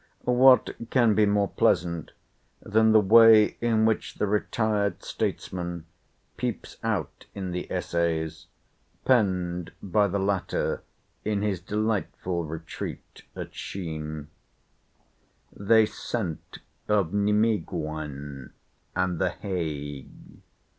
—What can be more pleasant than the way in which the retired statesman peeps out in the essays, penned by the latter in his delightful retreat at Shene? They scent of Nimeguen, and the Hague.